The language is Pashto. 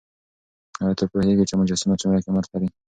ایا ته پوهېږې چې دا مجسمه څومره قیمت لري؟